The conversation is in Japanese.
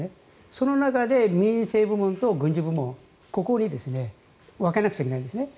その中で民生部門と軍事部門ここに分けなくちゃいけないんですね。